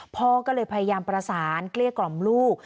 พ่อก็เลยพยายามประสานเกลี้ยกล่อมลูก